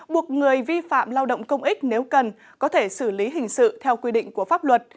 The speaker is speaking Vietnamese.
buộc người vi phạm lao động công ích nếu cần có thể xử lý hình sự theo quy định của pháp luật